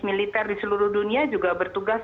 militer di seluruh dunia juga bertugas